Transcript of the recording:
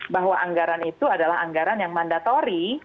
bahwa anggaran itu adalah anggaran yang mandatori